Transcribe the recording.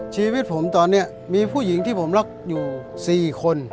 ชีวิตผมตอนนี้มีผู้หญิงที่ผมรักอยู่๔คน